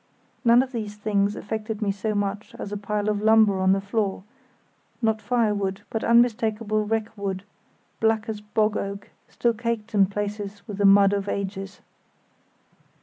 None of these things affected me so much as a pile of lumber on the floor, not firewood but unmistakable wreck wood, black as bog oak, still caked in places with the mud of ages.